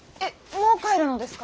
もう帰るのですか？